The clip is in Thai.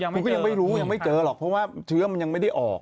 มันก็ยังไม่รู้ยังไม่เจอหรอกเพราะว่าเชื้อมันยังไม่ได้ออก